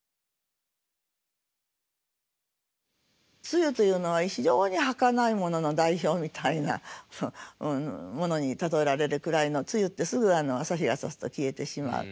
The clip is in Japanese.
露というのは非常にはかないものの代表みたいなものに例えられるくらいの露ってすぐ朝日がさすと消えてしまう。